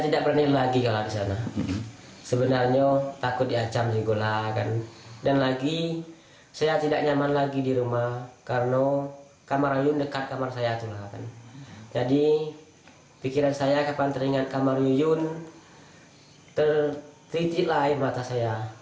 di sekitar saya kapan teringat kamar yuyun tertitiklah air mata saya